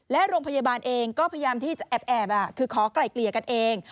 และโรงพยาบาลเองก็พยายามที่จะแอบคือขอไกล่เกลี่ยกันเอง